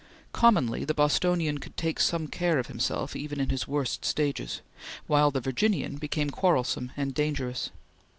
Commonly the Bostonian could take some care of himself even in his worst stages, while the Virginian became quarrelsome and dangerous.